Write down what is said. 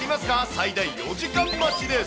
最大４時間待ちです。